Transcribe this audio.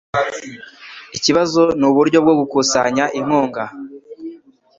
Ikibazo nuburyo bwo gukusanya inkunga.